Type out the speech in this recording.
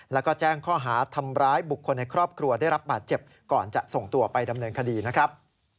แล้วก็แจ้งข้อหาทำร้ายบุคคลในครอบครัวได้รับบาดเจ็บก่อนจะส่งตัวไปดำเนินคดีนะครับ